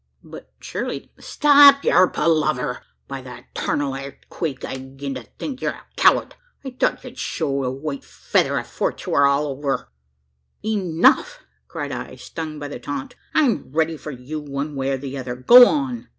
"But surely " "Stop yur palaver! By the tarnal airthquake, I'll 'gin to think you air a coward! I thort ye'd show, the white feather afore 'twur all over!" "Enough!" cried I, stung by the taunt; "I am ready for you one way or the other. Go on."